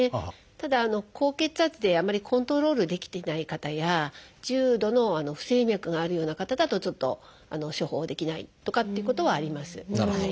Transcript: ただ高血圧であまりコントロールできていない方や重度の不整脈があるような方だとちょっと処方できないとかということはあります。